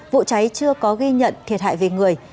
vụ cháy chưa có ghi nhận thiệt hại về người